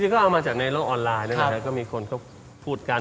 ก็เอามาจากในโลกออนไลน์นะครับก็มีคนเขาพูดกัน